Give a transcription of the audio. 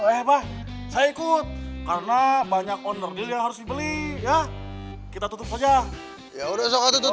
oh saya ikut karena banyak onerdil yang harus dibeli ya kita tutup aja ya udah suka tutup